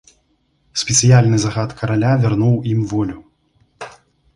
Спецыяльны загад караля вярнуў ім волю.